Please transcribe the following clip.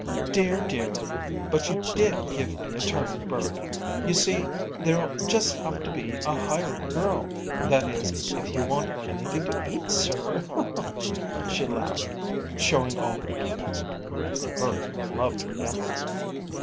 "Dear, dear, but you did give me a turn, Burke! You see, there'll just have to be a hired girl that is, if you want anything to eat, sir," she laughed, showing all her dimples. (And Burke loved her dimples!)